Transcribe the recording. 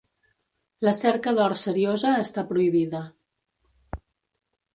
La cerca d'or seriosa està prohibida.